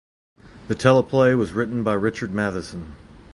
The teleplay was written by Richard Matheson.